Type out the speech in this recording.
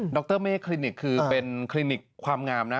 รเมฆคลินิกคือเป็นคลินิกความงามนะ